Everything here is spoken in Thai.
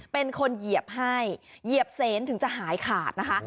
เหยียบให้เหยียบเซนถึงจะหายขาดนะคะ